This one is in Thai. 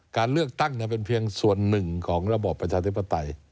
การเลือกตั้งเป็นเพียงส่วนหนึ่งของระบอบประชาธิปไตย